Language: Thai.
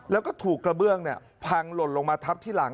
แล้วก็ถูกกระเบื้องพังหล่นลงมาทับที่หลัง